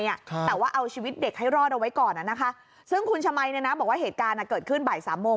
แต่ว่าเอาชีวิตเด็กให้รอดเอาไว้ก่อนซึ่งคุณชมัยบอกว่าเหตุการณ์เกิดขึ้นบ่ายสามโมง